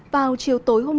vào chiều tối hôm nay